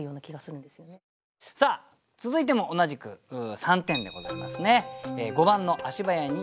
さあ続いても同じく３点でございますね。